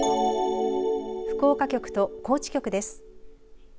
福岡局と高知局です。